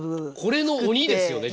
これの鬼ですよね？